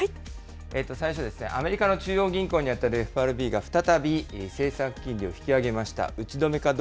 最初、アメリカの中央銀行に当たるＦＲＢが再び政策金利を引き上げました。